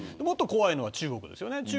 もっと怖いのは中国ですよね。